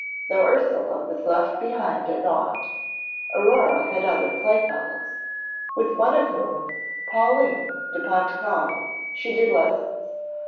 Though Ursule was left behind at Nohant, Aurore had other playfellows, with one of whom, Pauline de Pontcarré, she did lessons.